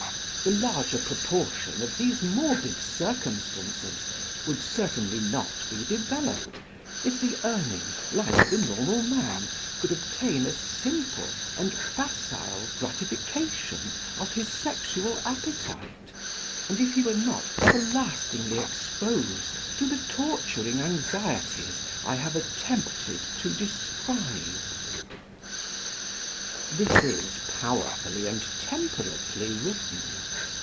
The larger proportion of these morbid circumstances would certainly not be developed if the Urning, like the normal man, could obtain a simple and facile gratification of his sexual appetite, and if he were not everlastingly exposed to the torturing anxieties I have attempted to describe." This is powerfully and temperately written.